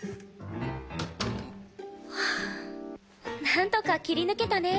なんとか切り抜けたね。